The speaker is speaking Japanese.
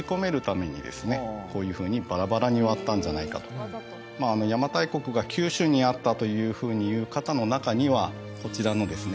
こちらに邪馬台国が九州にあったというふうに言う方の中にはこちらのですね